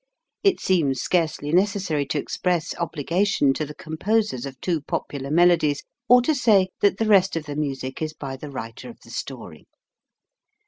It seems scarcely necessary to express obli gation to the composers of two popular melodies, or to say that the rest of the music is by the writer of the story.